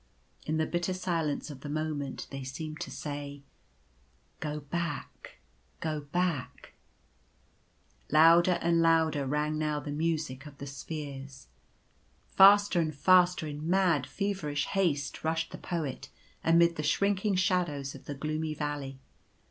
In the bitter silence of the moment, they seemed to say :" Go back ! Go back !" Louder and louder rang now the Music of the Spheres. Faster and faster in mad, feverish haste rushed the Poet, amid the shrinking Shadows of the gloomy valley.